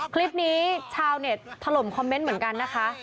คลิปนี้ชาวเน็ตถล่มคอมเมนต์เหมือนกันนะคะ